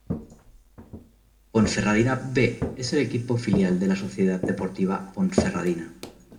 Ponferradina "B" es el equipo filial de la Sociedad Deportiva Ponferradina.